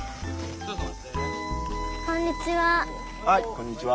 こんにちは。